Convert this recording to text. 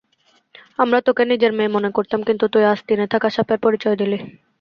আমরা তোকে নিজের মেয়ে মনে করতাম কিন্তু তুই আস্তিনে থাকা সাপের পরিচয় দিলি।